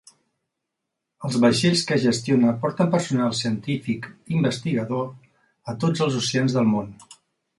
Els vaixells que gestiona porten personal científic investigador a tots els oceans del món.